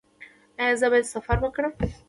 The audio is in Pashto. ایا زه باید سفر وکړم؟